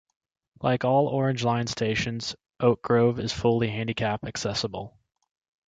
Like all Orange Line stations, Oak Grove is fully handicapped accessible.